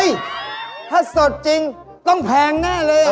ถ้าสดจริงต้องแพงแน่เลย